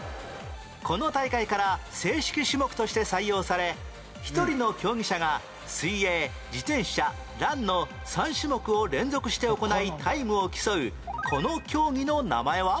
この大会から正式種目として採用され１人の競技者が水泳自転車ランの３種目を連続して行いタイムを競うこの競技の名前は？